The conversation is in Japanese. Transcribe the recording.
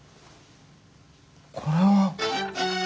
これは。